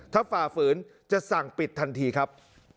ถ้าฝ่าฝืนจะสั่งปิดทันทีครับ